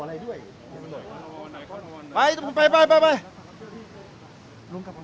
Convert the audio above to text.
ต้นต้นมึงไม่เกี่ยวอะไรด้วยไปไปไปไปลุงกลับมา